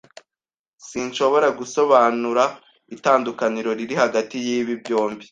Sinshobora gusobanura itandukaniro riri hagati yibi byombi.